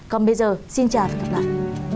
còn bây giờ xin chào và hẹn gặp lại